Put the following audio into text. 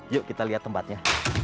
yuk kita lihat tempatnya